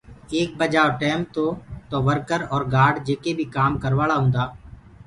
ايڪ بجآ ڪو ٽيم تو تو ورڪر اور گآرڊ جيڪي بي ڪآم ڪروآݪآ هوندآ،